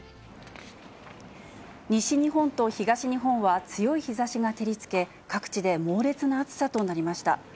西日本と東日本は強い日ざしが照りつけ、各地で猛烈な暑さとなりました。